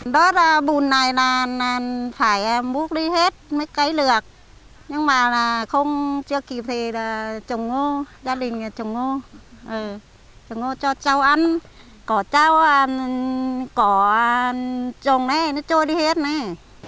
đất bùn này là phải bút đi hết mấy cây lược nhưng mà chưa kịp thì là trồng ngô gia đình trồng ngô trồng ngô cho châu ăn có châu có trồng đấy nó trôi đi hết đấy